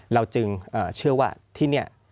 เราจึงเชื่อว่าที่นี่